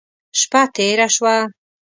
شپه تېره شوه.